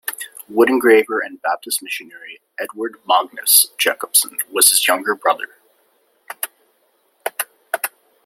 Wood engraver and Baptist missionary Eduard Magnus Jakobson was his younger brother.